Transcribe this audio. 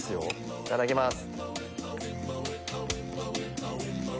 いただきます。